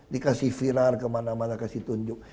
dikasih viral kemana mana kasih tunjuk